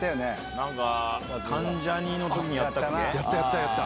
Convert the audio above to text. なんか関ジャニのときにやっやった、やった。